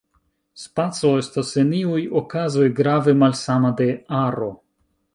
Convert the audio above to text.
Spaco estas en iuj okazoj grave malsama de aro.